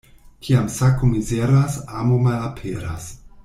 Kiam sako mizeras, amo malaperas.